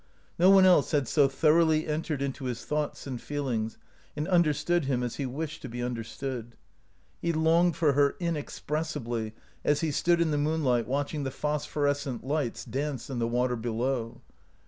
No one else had so thoroughly entered into his thoughts and feelings, and understood him as he wished to be understood. He longed for her inexpressibly as he stood in the moonlight watching the phosphorescent lights dance in the water below.